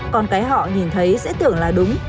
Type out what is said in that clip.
còn cái họ nhìn thấy sẽ tưởng là đúng